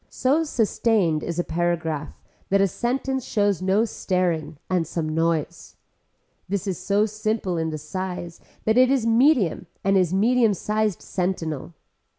So sustained is a paragraph that a sentence shows no staring and some noise. This is so simple in the size that is medium and is medium sized sentinel.